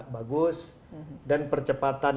bagus dan percepatan